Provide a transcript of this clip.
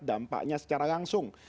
dampaknya secara langsung